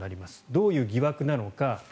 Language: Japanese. どういう疑惑なのか。